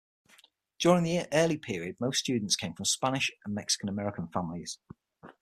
During the early period most students came from Spanish and Mexican American families.